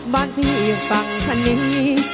บ้านพี่ฝั่งครรภ์นี้